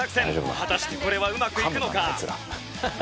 果たしてこれはうまくいくのか？